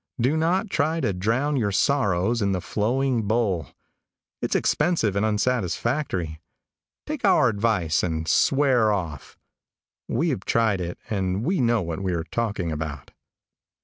Do not try to drown your sorrows in the flowing bowl. It's expensive and unsatisfactory. Take our advice and swear off. We have tried it, and we know what we are talking about.